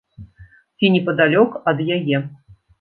Ці непадалёк ад яе.